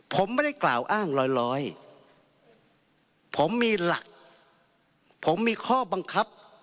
ผมไม่ได้กล่าวอ้างร้อยผมมีหลักผมมีข้อบังคับ